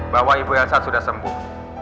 bahwa ibu elsa sudah sembuh